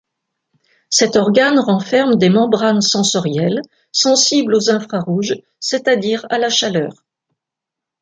Cet organe renferme des membranes sensorielles, sensibles aux infrarouges, c’est-à-dire à la chaleur.